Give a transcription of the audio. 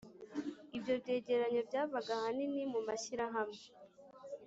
ibyo byegeranyo byavaga ahanini mu mashyirahamwe